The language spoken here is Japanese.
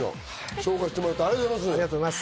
紹介してもらって、ありがとうございます。